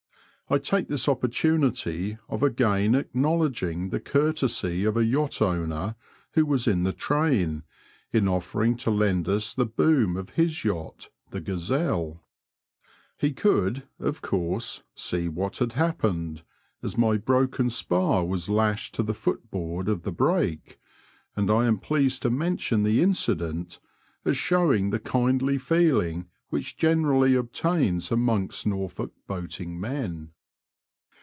I take this opportunity of again acknowledging the courtesy of a yacht owner who was in the train, in offering to lend us the boom of his yacht, the Gazelle. He could, of course, see what had happened, as my broken spar was lashed to the foot board of the brake, and I am pleased to mention the incident. Digitized by VjOOQIC A 104 BEOADS AND EIVERS OF NORFOLK AND SUFFOLK. as showing the kindly feeling which generally obtains amongst Norfolk boating men.